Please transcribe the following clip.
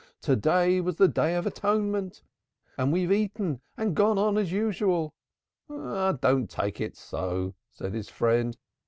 'To day was the Day of Atonement! and we have eaten and gone on as usual.' 'Oh, don't take on so,' said his friend.